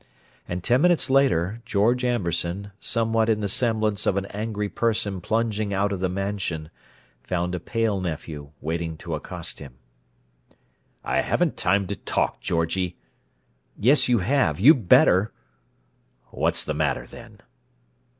And ten minutes later, George Amberson, somewhat in the semblance of an angry person plunging out of the Mansion, found a pale nephew waiting to accost him. "I haven't time to talk, Georgie." "Yes, you have. You'd better!" "What's the matter, then?"